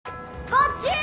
こっち！